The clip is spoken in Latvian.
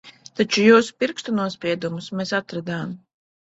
Taču jūsu pirkstu nospiedumus mēs atradām.